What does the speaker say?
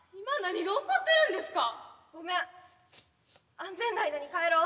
安全な間に帰ろう。